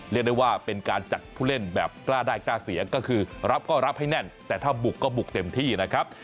เรียกได้ว่าเป็นการจัดผู้เล่นแบบกล้าได้กล้าเสียก็คือรับก็รับให้แน่นแต่ถ้าบุกก็บุกเต็มที่นะครับ